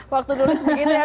waktu menulis begitu ya